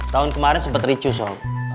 tahun kemarin sempat ricu soal